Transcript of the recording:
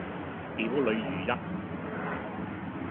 表裏如一